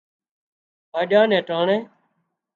هينڏيا نين ٽانڻي